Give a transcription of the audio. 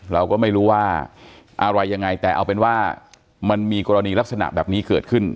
เราก็ไม่รู้ว่าอะไรยังไงแต่เอาเป็นว่ามันมีกรณีลักษณะแบบนี้เกิดขึ้น